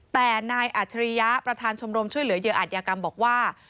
แต่นายอัจฉริยะประธานชมรมช่วยเหลือเหยื่ออาจยากรรมบอกว่า